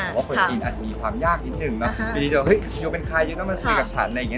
เพราะว่าคนจีนอาจมีความยากนิดหนึ่งเนาะบีดีจะว่าเฮ้ยอยู่เป็นใครอยู่นั่งมาคุยกับฉันเนี่ย